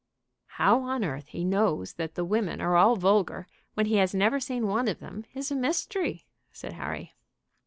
"How on earth he knows that the women are all vulgar, when he has never seen one of them, is a mystery," said Harry.